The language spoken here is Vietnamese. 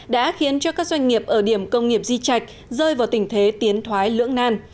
đã khiến cho các doanh nghiệp ở điểm công nghiệp di chạch rơi vào tình thế tiến thoái lưỡng nan